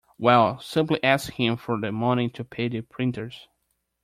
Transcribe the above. Well, simply ask him for the money to pay the printers.